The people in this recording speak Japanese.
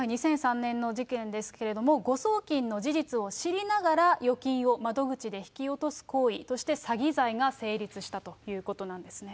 ２００３年の事件ですけれども、誤送金の事実を知りながら預金を窓口で引き落とす行為、そして詐欺罪が成立したということなんですね。